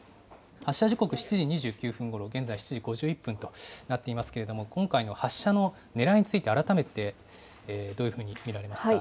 発射時刻７時２９分ごろ、現在７時５１分となっていますけれども、今回の発射のねらいについて、改めてどういうふうに見られますか。